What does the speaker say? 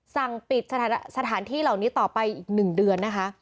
สั่งปิดสถานที่เหล่านี้ต่อไปอีก๑เดือนนะคะ